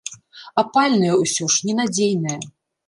Апальная ўсё ж, ненадзейная.